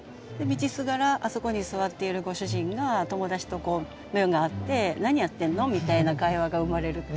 道すがらあそこに座っているご主人が友達と目が合って「何やってんの？」みたいな会話が生まれるっていうか。